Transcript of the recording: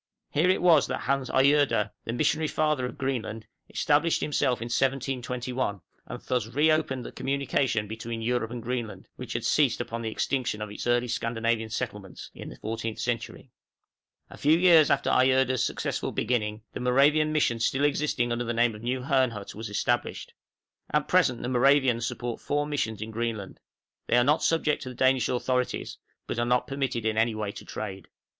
Here it was that Hans Egede, the missionary father of Greenland, established himself in 1721, and thus re opened the communication between Europe and Greenland, which had ceased upon the extinction of its early Scandinavian settlers, in the 14th century. {MORAVIAN MISSIONS.} A few years after Egede's successful beginning the Moravian mission still existing under the name of New Herrnhut was established. At present the Moravians support four missions in Greenland; they are not subject to the Danish authorities, but are not permitted in any way to trade.